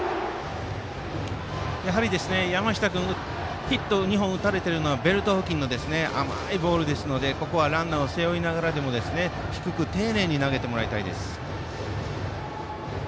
山下君、ヒットを２本打たれているのはベルト付近の甘いボールですのでここはランナーを背負いながらも低く丁寧に投げてもらいたいです。